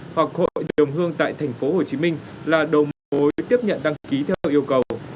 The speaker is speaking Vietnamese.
hoặc hội đồng hương tại tp hcm là đầu mối tiếp nhận đăng ký theo yêu cầu